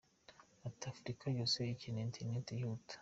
Ati “Afurika yose ikeneye internet yihuta.